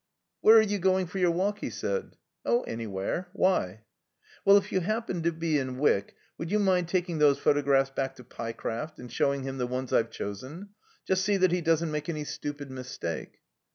"Where are you going for your walk?" he said. "Oh, anywhere. Why?" "Well, if you happen to be in Wyck, would you mind taking these photographs back to Pyecraft and showing him the ones I've chosen? Just see that he doesn't make any stupid mistake."